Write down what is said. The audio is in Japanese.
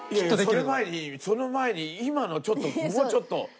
その前にその前に今のちょっともうちょっと。